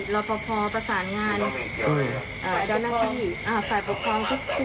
เราพอพอประสานงานไข่ด้านหน้าที่